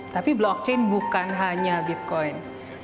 tapi blockchain bukan hanya bitcoin